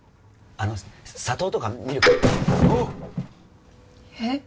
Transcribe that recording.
あの砂糖とかミルクえッ？